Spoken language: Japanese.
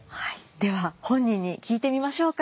では本人に聞いてみましょうか。